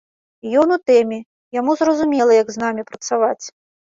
Ён у тэме, яму зразумела, як з намі працаваць.